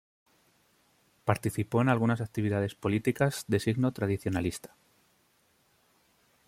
Participó en algunas actividades políticas de signo tradicionalista.